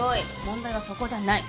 問題はそこじゃない。